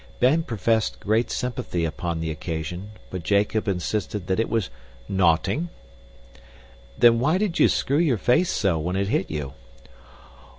Ben professed great sympathy upon the occasion, but Jacob insisted that it was "notting." "Then why did you screw your face so when it hit you?"